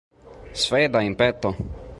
Sveda impeto!